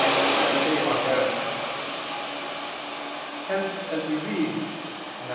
12:9), than obey our parents. Hence as we read (Matt.